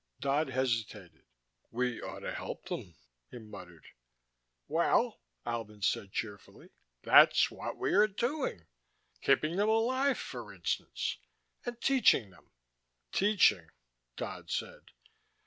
Dodd hesitated. "We ought to help them," he muttered. "Well," Albin said cheerfully, "that's what we are doing. Keeping them alive, for instance. And teaching them." "Teaching," Dodd said.